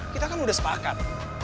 kita kan udah sepakat